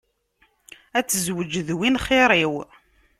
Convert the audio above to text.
Ad tezweğ d win xiṛ-iw.